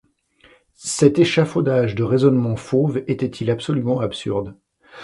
Cet échafaudage de raisonnements fauves était-il absolument absurde ?